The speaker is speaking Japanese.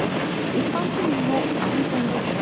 一般市民の安全ですね。